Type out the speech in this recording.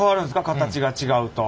形が違うと。